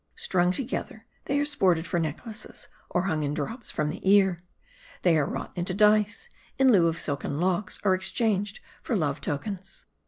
Strung together, they are sported for necklaces, or hung in drops from the ear ; they are wrought into dice ; in lieu of silken locks, are exchanged for love tokens.